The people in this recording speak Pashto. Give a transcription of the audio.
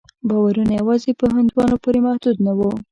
باورونه یوازې په هندوانو پورې محدود نه وو.